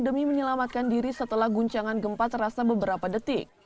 demi menyelamatkan diri setelah guncangan gempa terasa beberapa detik